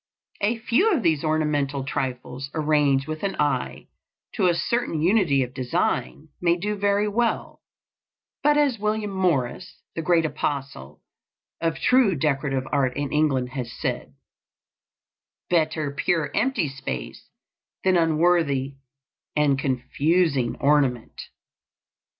A few of these ornamental trifles, arranged with an eye to a certain unity of design, may do very well; but, as William Morris, the great apostle of true decorative art in England, has said, "Better pure empty space than unworthy and confusing ornament."